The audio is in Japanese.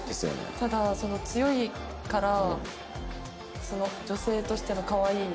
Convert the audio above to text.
ただその強いから女性としての可愛い。